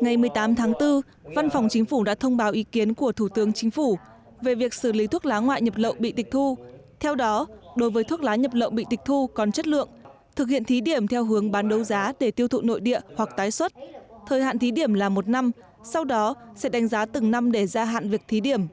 ngày một mươi tám tháng bốn văn phòng chính phủ đã thông báo ý kiến của thủ tướng chính phủ về việc xử lý thuốc lá ngoại nhập lậu bị tịch thu theo đó đối với thuốc lá nhập lậu bị tịch thu còn chất lượng thực hiện thí điểm theo hướng bán đấu giá để tiêu thụ nội địa hoặc tái xuất thời hạn thí điểm là một năm sau đó sẽ đánh giá từng năm để gia hạn việc thí điểm